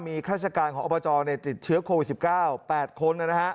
มีข้าราชการของอบจติดเชื้อโควิด๑๙๘คน